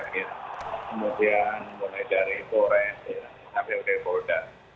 kemudian mulai dari polres sampai dari polda